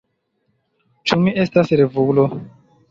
Ĉu mi estas revulo?